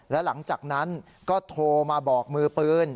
และหลังจากนั้นก็โทรมาบอกมือปืน